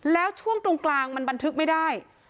แล้วช่วงตรงกลางมันบันทึกไม่ได้